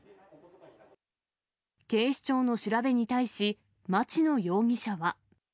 警視庁の調べに対し、町野容疑者は。